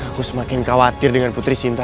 aku semakin khawatir dengan putri sinta